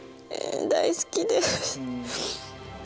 大好きです。